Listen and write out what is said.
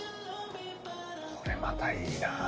これまたいいな。